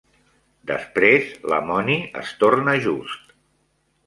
Després, Lamoni es torna just.